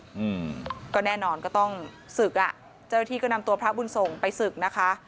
อืมก็แน่นอนก็ต้องศึกอ่ะเจ้าหน้าที่ก็นำตัวพระบุญส่งไปศึกนะคะ